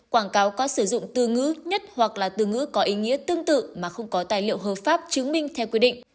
quảng cáo có sử dụng từ ngữ nhất hoặc là từ ngữ có ý nghĩa tương tự mà không có tài liệu hợp pháp chứng minh theo quy định